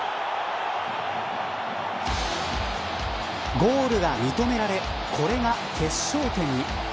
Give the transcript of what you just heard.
ゴールが認められこれが決勝点に。